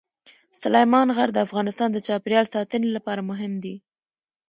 سلیمان غر د افغانستان د چاپیریال ساتنې لپاره مهم دي.